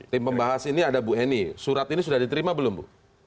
tim pembahas ini ada bu eni surat ini sudah diterima belum bu